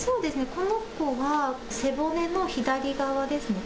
この子は背骨の左側ですね。